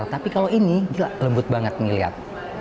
tapi kalau ini gila lembut banget nih lihat